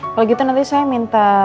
kalau gitu nanti saya minta